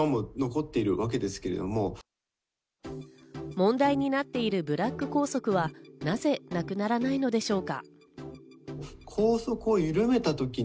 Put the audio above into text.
問題になっているブラック校則は、なぜ、なくならないのでしょうか？